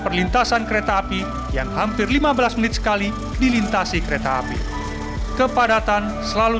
perlintasan kereta api yang hampir lima belas menit sekali dilintasi kereta api kepadatan selalu